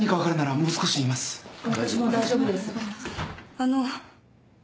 あの。